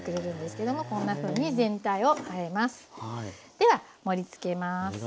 では盛りつけます。